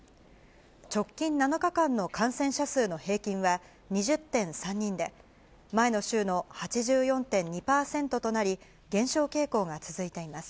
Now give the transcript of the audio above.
直近７日間の感染者数の平均は２０．３人で、前の週の８４．２％となり、減少傾向が続いています。